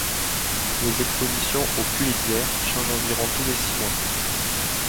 Les expositions au Pulitzer changent environ tous les six mois.